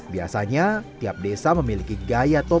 biasanya tiap desa memiliki gaya terbaik